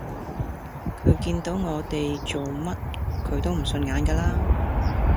佢見到我哋做乜佢都唔順眼架啦